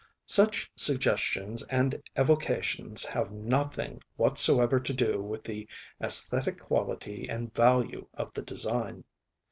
Such suggestions and evocations have nothing whatsoever to do with the aesthetic quality and value of the design.